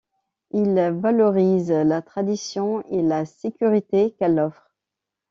Ils valorisent la tradition et la sécurité qu'elle offre.